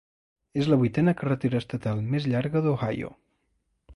És la vuitena carretera estatal més llarga d'Ohio.